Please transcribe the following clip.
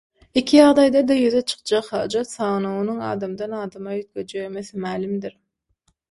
Iki ýagdaýda-da ýüze çykjak hajat sanawynyň adamdan adama üýtgejegi mese-mälimdir.